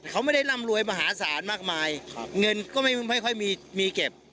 เขาไม่ได้ร่ำรวยมหาศาลมากมายเงินก็ไม่ค่อยมีมีเก็บ